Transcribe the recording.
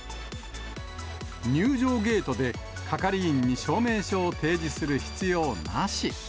入場ゲートで、係員に証明書を提示する必要なし。